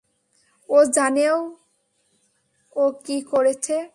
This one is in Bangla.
ও জানে ও কী করেছে।